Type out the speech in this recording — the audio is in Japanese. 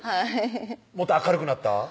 もっと明るくなった？